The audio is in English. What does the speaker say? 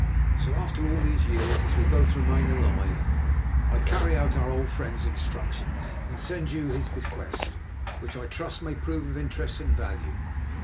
"So, after all these years, as we both remain alive, I carry out our old friend's instructions and send you his bequest, which I trust may prove of interest and value.